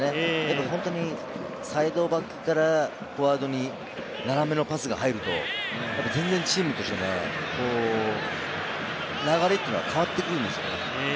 本当にサイドバックからフォワードに斜めのパスが入ると、全然チームとして、流れというのが変わってくるんですよ。